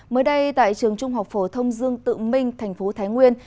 mới đây tại trường trung học phổ thông dương tự minh tp thái nguyên